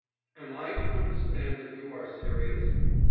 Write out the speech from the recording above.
"Am I to understand that you are serious?"